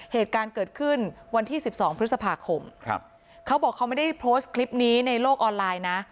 เหตุการณ์เกิดขึ้นวันที่๑๒พฤษภาคมเขาบอกเขาไม่ได้โพสต์คลิปนี้ในโลกออนไลน์นะ